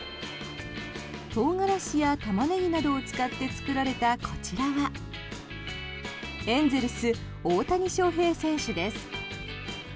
トウガラシやタマネギなどを使って作られたこちらはエンゼルス、大谷翔平選手です。